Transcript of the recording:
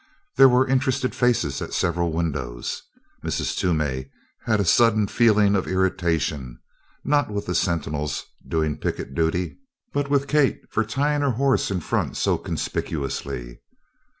There were interested faces at several windows. Mrs. Toomey had a sudden feeling of irritation, not with the sentinels doing picket duty but with Kate for tying her horse in front so conspicuously.